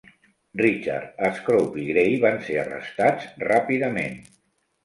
Richard, Scrope i Grey van ser arrestats ràpidament.